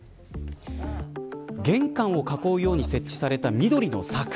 玄関を囲うように設置された緑の柵。